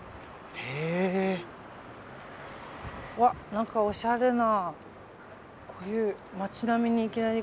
何かおしゃれな。